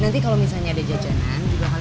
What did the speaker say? nanti kalau misalnya ada jajanan juga kalian liat aja